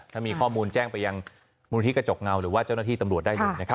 ถ้ามีข้อมูลแจ้งไปยังมูลที่กระจกเงาหรือว่าเจ้าหน้าที่ตำรวจได้เลยนะครับ